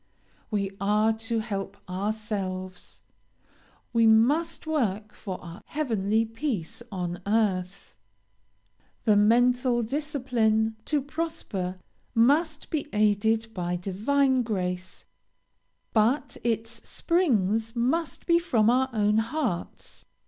We are to help ourselves we must work for our heavenly peace on earth the mental discipline, to prosper, must be aided by divine grace, but its springs must be from our own hearts.